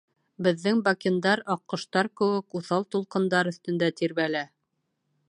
Беҙҙең бакендар, аҡҡоштар кеүек, уҫал тулҡындар өҫтөндә тирбәлә.